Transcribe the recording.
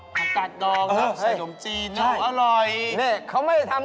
ของดองเหรอ